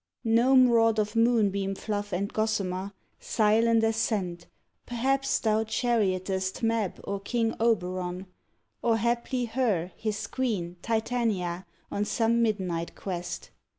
Gnome wrought of moonbeam fluff and gossamer, Silent as scent, perhaps thou chariotest Mab or king Oberon; or, haply, her His queen, Titania, on some midnight quest.